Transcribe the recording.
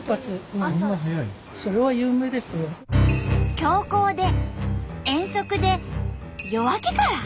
強行で遠足で夜明けから？